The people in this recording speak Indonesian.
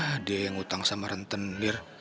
hah dia yang utang sama rentenir